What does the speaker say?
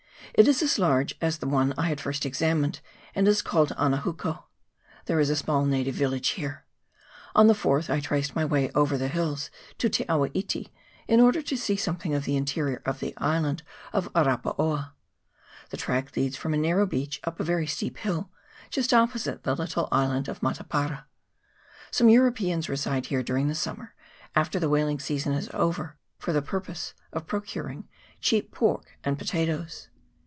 It is as large as the one I had first examined, and is called Anahuko. There is a small native village here. On the 4th I traced my way over the hills to Te a \va iti, in order to see something of the interior of the island of Arapaoa. The track leads from a narrow beach up a very steep hill, just opposite the little island of Matapara. Some Europeans reside here during the summer, after the whaling season is over, for the purpose of procuring cheap pork and potatoes.